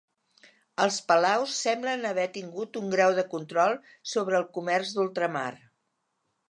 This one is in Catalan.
Els palaus semblen haver tingut un grau de control sobre el comerç d'ultramar.